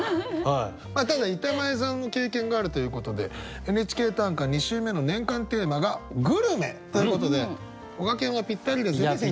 ただ板前さんの経験があるということで「ＮＨＫ短歌」２週目の年間テーマが「グルメ」ということでこがけんはぴったりですね先生。